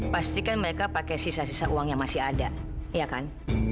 pastikan mereka pakai sisa sisa uang yang masih ada ya kan